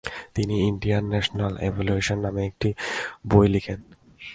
তিনি ‘Indian national evolution’ নামে একটি বই লিখেন।